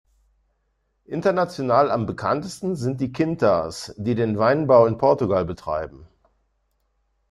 International am bekanntesten sind die Quintas, die den Weinbau in Portugal betreiben.